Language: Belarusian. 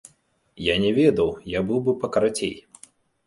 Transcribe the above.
Я не ведаў, я быў бы пакарацей.